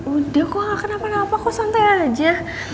udah kok gak kenapa napa kok santai aja